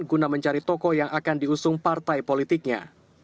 guna mencari tokoh yang akan diusung partai politiknya